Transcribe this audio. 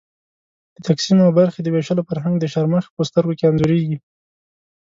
د تقسیم او برخې د وېشلو فرهنګ د شرمښ په سترګو کې انځورېږي.